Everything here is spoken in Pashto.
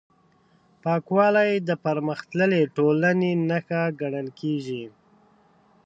پاکوالی د پرمختللې ټولنې نښه ګڼل کېږي.